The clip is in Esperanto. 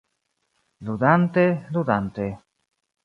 Ludante, ludante.